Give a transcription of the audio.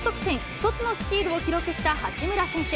１つのスチールを記録した八村選手。